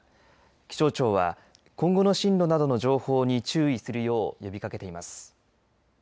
気象庁は今後の進路などの情報に注意するよう呼びかけています。